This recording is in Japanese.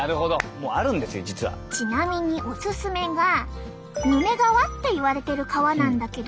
ちなみにオススメがヌメ革っていわれてる革なんだけど。